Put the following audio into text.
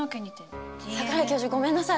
桜井教授ごめんなさい